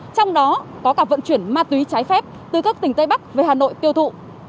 trong đó có cả vận chuyển ma túy trái phép từ các tỉnh tây bắc về hà nội tiêu thụ